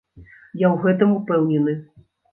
Я ў гэтым ўпэўнены!